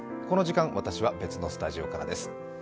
この時間、私は別のスタジオからです。